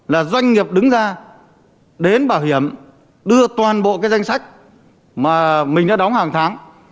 là doanh nghiệp đứng ra đến bảo hiểm đưa toàn bộ cái danh sách mà mình đã đóng hàng tháng